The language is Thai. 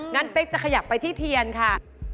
เป๊กจะขยับไปที่เทียนค่ะ